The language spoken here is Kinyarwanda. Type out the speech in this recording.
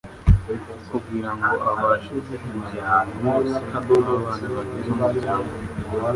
kugira ngo abashe guhuza abantu bose nk’abana bagize umuryango umwe